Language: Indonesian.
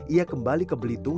ia kembali ke belitung